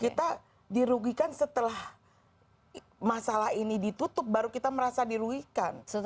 kita dirugikan setelah masalah ini ditutup baru kita merasa dirugikan